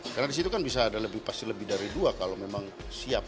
karena disitu kan bisa ada lebih pasti lebih dari dua kalau memang siap